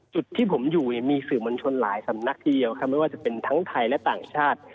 จุดที่ผมอยู่มีสื่อมวลชนหลายสำนักทีเดียวครับไม่ว่าจะเป็นทั้งไทยและต่างชาติ